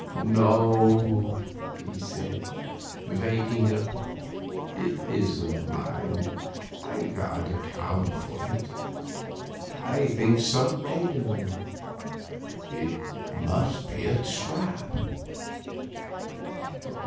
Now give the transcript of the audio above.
"No," he said, waking up, "it isn't mine. I can't account for it. I think some enemy ... it must be a trap."